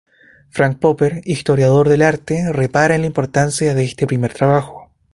Frank Popper, historiador del arte, repara en la importancia de este primer trabajo.